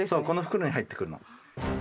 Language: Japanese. この袋に入ってくるの。